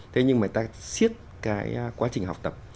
thế nhưng mà ta siết cái quá trình học tập